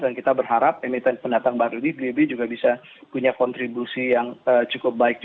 dan kita berharap emiten pendatang baru ini blibi juga bisa punya kontribusi yang cukup baik juga